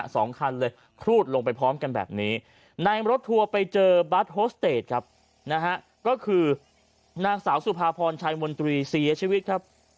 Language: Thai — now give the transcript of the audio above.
สองคันเลยครูดลงไปพร้อมกันแบบนี้ในรถทัวร์ไปเจอบาสโฮสเตจครับนะฮะก็คือนางสาวสุภาพรชัยมนตรีเสียชีวิตครับ